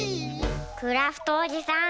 クラフトおじさん。